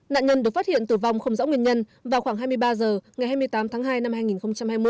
nạn nhân được phát hiện tử vong không rõ nguyên nhân vào khoảng hai mươi ba h ngày hai mươi tám tháng hai năm hai nghìn hai mươi